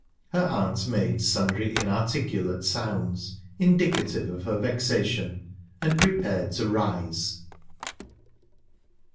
Her aunt made sundry inarticulate sounds, indicative of her vexation, and prepared to rise.